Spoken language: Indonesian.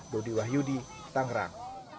dodi wahyudi tangerang